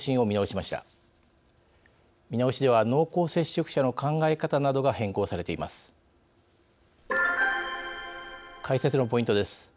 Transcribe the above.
見直しでは、濃厚接触者の考え方などが変更されています。